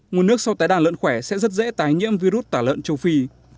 nguồn nước sau tái đàn lợn khỏe sẽ rất dễ tái nhiễm virus tả lợn châu phi